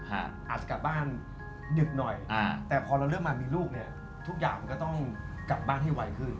อาจจะกลับบ้านดึกหน่อยแต่พอเราเริ่มมามีลูกเนี่ยทุกอย่างมันก็ต้องกลับบ้านให้ไวขึ้น